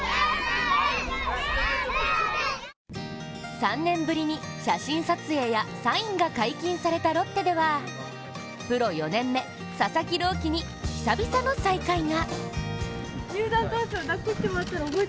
３年ぶりに写真撮影やサインが解禁されたロッテでは、プロ４年目・佐々木朗希に久々の再会が。